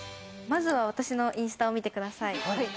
まずは私のインスタを見てください。